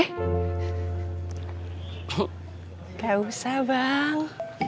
nggak usah bang